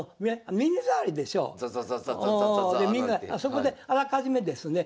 そこであらかじめですね